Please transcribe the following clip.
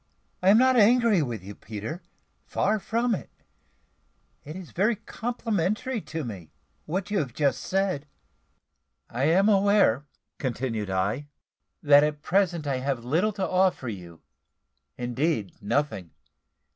I am not angry with you, Peter; far from it. It is very complimentary to me what you have just said." "I am aware," continued I, "that at present I have little to offer you indeed, nothing.